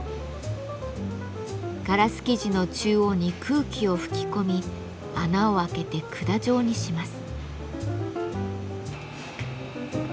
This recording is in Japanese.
ガラス素地の中央に空気を吹き込み穴を開けて管状にします。